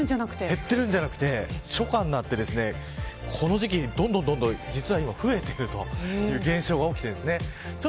減っているんじゃなくて初夏になってこの時期にどんどん実は増えているという現象が起きています。